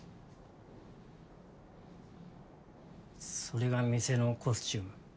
それが店のコスチューム？